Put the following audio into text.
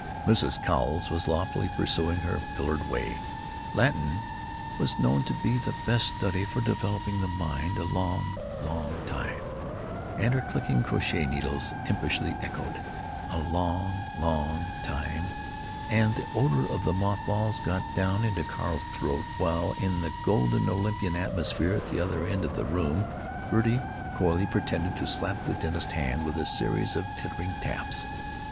Mrs. Cowles was loftily pursuing her pillared way: "Latin was known to be the best study for developing the mind a long, long time——" And her clicking crochet needles impishly echoed, "A long, long time," and the odor of moth balls got down into Carl's throat, while in the golden Olympian atmosphere at the other end of the room Gertie coyly pretended to slap the dentist's hand with a series of tittering taps.